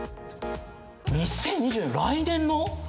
２０２４年来年の？